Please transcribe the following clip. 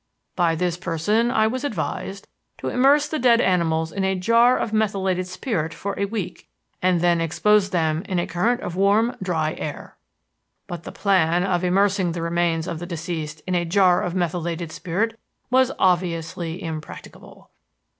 By this person I was advised to immerse the dead animals in a jar of methylated spirit for a week and then expose them in a current of warm, dry air. "But the plan of immersing the remains of the deceased in a jar of methylated spirit was obviously impracticable.